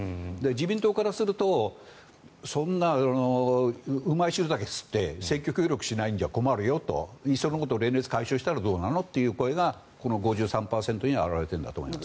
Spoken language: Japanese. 自民党からするとそんなうまい汁だけ吸って選挙協力しないんじゃ困るよと、連立を解消したらどうなのというのがこの５３％に表れているんだと思います。